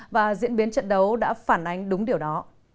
và diễn biến trận đấu đã phản ánh đúng điều đó